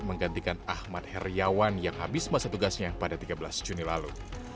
menggantikan ahmad heriawan yang habis masa tugasnya pada tiga belas juni lalu